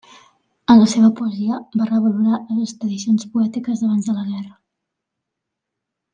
En la seva poesia va revalorar les tradicions poètiques d'abans de la guerra.